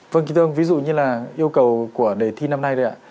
vâng kỳ tương ví dụ như là yêu cầu của đề thi năm nay đấy ạ